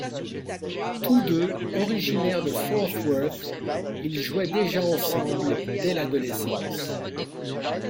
Tous deux originaires de Forth Worth, ils jouaient déjà ensemble dès l'adolescence.